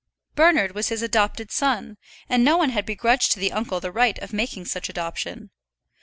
Bernard was his adopted son, and no one had begrudged to the uncle the right of making such adoption.